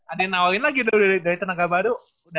ada yang nawalin lagi dari tenaga baru